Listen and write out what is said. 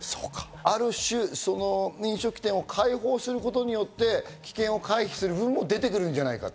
ある種、飲食店を開放することによって危険を回避する部分も出てくるんじゃないかと。